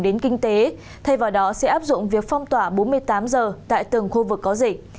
đến kinh tế thay vào đó sẽ áp dụng việc phong tỏa bốn mươi tám giờ tại từng khu vực có dịch